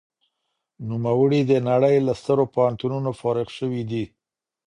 نوموړي د نړۍ له سترو پوهنتونونو فارغ شوی دی.